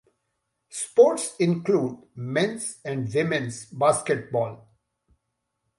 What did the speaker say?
Sports include men's and women's basketball.